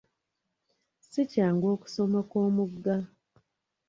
Si kyangu okusomoka omugga.